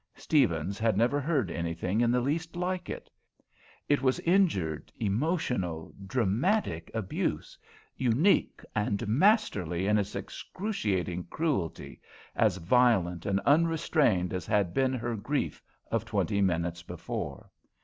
Steavens had never heard anything in the least like it; it was injured, emotional, dramatic abuse, unique and masterly in its excruciating cruelty, as violent and unrestrained as had been her grief of twenty minutes before.